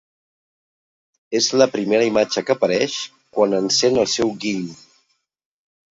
És la primera imatge que apareix quan encén el seu giny.